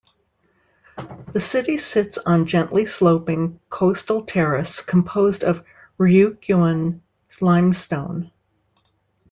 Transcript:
The city sits on gently-sloping coastal terrace composed of Ryukyuan limestone.